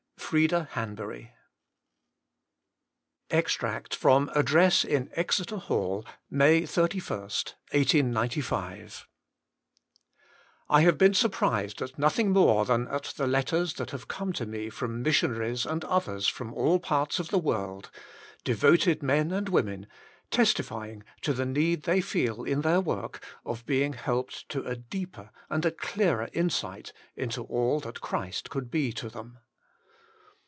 FlBDA HAVBUBT. EXTEACT WBOU ADDRESS IN EXETEE HALL May Slst 1895 *I HAVB been enrprised at nothing more than at the letters that have come to me from miasion ariee and others from all parts of the world, devoted men and women, testifying to the need they feel in their work of being helped to a deeper and a clearer insight into all that Christ could be to them.